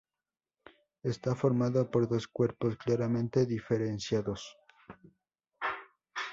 Está formado por dos cuerpos claramente diferenciados.